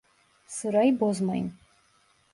Sırayı bozmayın!